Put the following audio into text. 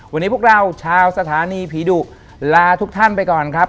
วันนี้พวกเราชาวสถานีผีดุลาทุกท่านไปก่อนครับ